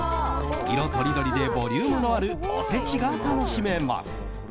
色とりどりでボリュームのあるおせちが楽しめます。